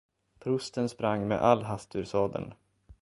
Prosten sprang med all hast ur sadeln.